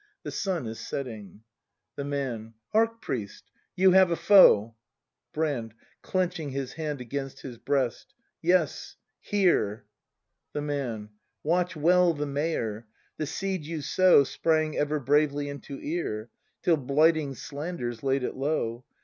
The sun is setting. The Man. Hark, priest, you have a foe ! Brand. [Clenching his hand against his breast.] Yes, here! The Man. Watch well the Mayor. The seed you sow Sprang ever bravely into ear. Till blighting slanders laid it low.